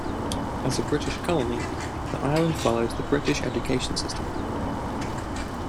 As a British colony, the island follows the British education system.